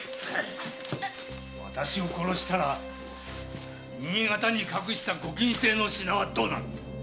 私を殺したら新潟に隠した御禁制の品はどうなる？